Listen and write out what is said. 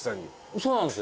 そうなんですよ。